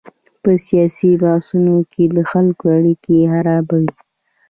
په سیاسي بحثونو کې د خلکو اړیکې خرابوي.